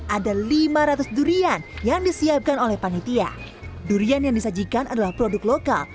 ada lima ratus durian yang disiapkan oleh panitia durian yang disajikan adalah produk lokal